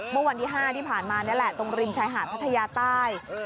เมื่อวันที่๕ที่ผ่านมานี่แหละตรงริมชายหาดพัทยาใต้